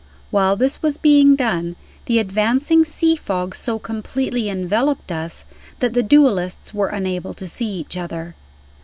While this was being done, the advancing sea fog so completely enveloped us that the duelists were unable to see each other.